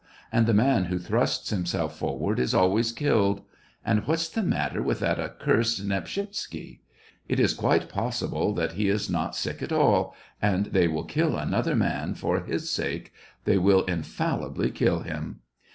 And the man who thrusts himself forward is always killed. And what's the matter with that accursed Nepshisetsky } It is quite possible that he is not sick at all ; and they will kill another man for his sake, they will infallibly kill him.